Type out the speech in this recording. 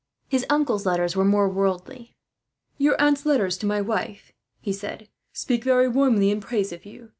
His uncle's letters were more worldly. "Your aunt's letters to my wife," he said, "speak very warmly in praise of you.